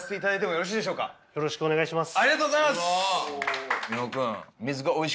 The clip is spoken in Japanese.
よろしくお願いします。